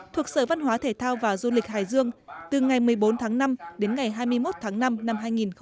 thuộc sở văn hóa thể thao và du lịch hải dương từ ngày một mươi bốn tháng năm đến ngày hai mươi một tháng năm năm hai nghìn một mươi chín